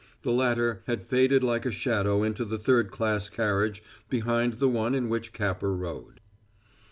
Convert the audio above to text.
The latter had faded like a shadow into the third class carriage behind the one in which Capper rode.